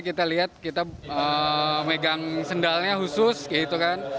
kita lihat kita megang sendalnya khusus gitu kan